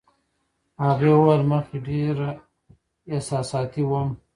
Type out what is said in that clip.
هغې وویل، مخکې ډېره احساساتي وم.